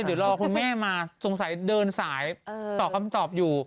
เดี๋ยวรอคุณแม่มาสงสัยเดินสายตอบคำตอบอยู่